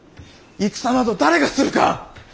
戦など誰がするか！